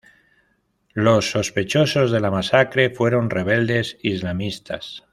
Los sospechosos de la masacre fueron rebeldes islamistas.